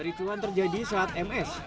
garicuhan terjadi saat ms